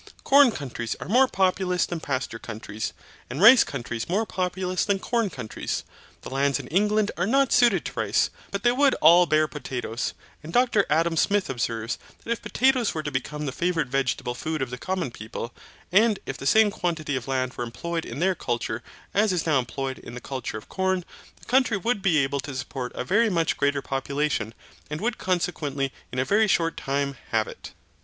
Corn countries are more populous than pasture countries, and rice countries more populous than corn countries. The lands in England are not suited to rice, but they would all bear potatoes; and Dr Adam Smith observes that if potatoes were to become the favourite vegetable food of the common people, and if the same quantity of land was employed in their culture as is now employed in the culture of corn, the country would be able to support a much greater population, and would consequently in a very short time have it.